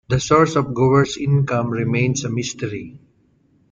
The source of Gower's income remains a mystery.